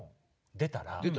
出たら？